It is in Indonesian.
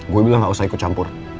gue bilang gak usah ikut campur